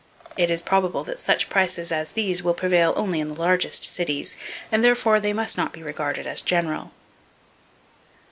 It is probable that such prices as these will prevail only in the largest cities, and therefore they must not be regarded as general.